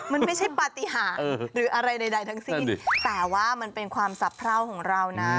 มันไม่ใช่ปฏิหารหรืออะไรใดทั้งสิ้นแต่ว่ามันเป็นความสะเพราของเรานะ